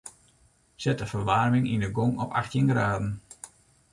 Set de ferwaarming yn 'e gong op achttjin graden.